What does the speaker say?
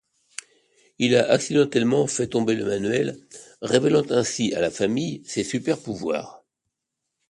Il a accidentellement fait tomber le manuel, révélant ainsi à la famille ses super-pouvoirs.